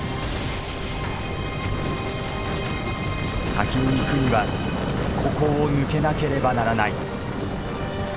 先に行くにはここを抜けなければならない。